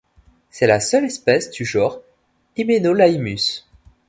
C'est la seule espèce du genre Hymenolaimus.